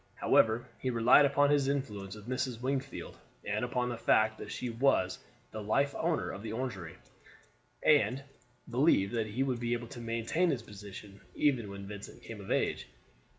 However, he relied upon his influence with Mrs. Wingfield, and upon the fact that she was the life owner of the Orangery, and believed that he would be able to maintain his position even when Vincent came of age.